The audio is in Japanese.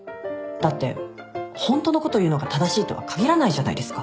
だってホントのこと言うのが正しいとは限らないじゃないですか。